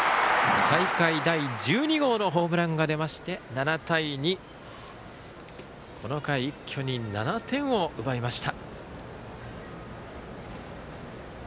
大会第１２号のホームランが出まして７対２、この回一挙に７点を奪いました。